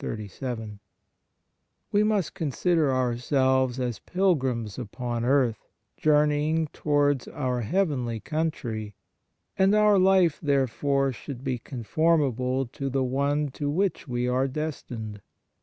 "i We must consider ourselves as pilgrims upon earth, journeying towards our heavenly country; and our life therefore should be comformable to the one to which we are destined.